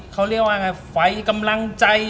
เขาเรียกว่าไงไฟกำลังใจ